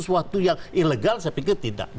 sesuatu yang ilegal saya pikir tidak